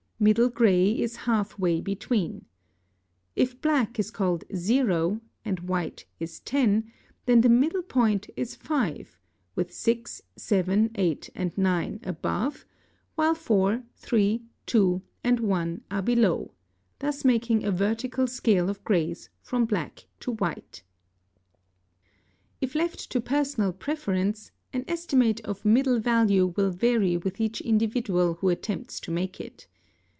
Middle gray is half way between. If black is called 0, and white is 10, then the middle point is 5, with 6, 7, 8, and 9 above, while 4, 3, 2, and 1 are below, thus making a vertical scale of grays from black to white (Chapter II., paragraph 25). If left to personal preference, an estimate of middle value will vary with each individual who attempts to make it.